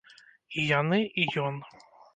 І яны, і ён.